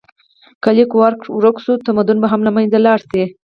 که لیک ورک شو، تمدن به هم له منځه لاړ شي.